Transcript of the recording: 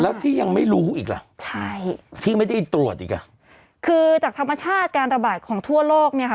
แล้วที่ยังไม่รู้อีกล่ะใช่ที่ไม่ได้ตรวจอีกอ่ะคือจากธรรมชาติการระบาดของทั่วโลกเนี่ยค่ะ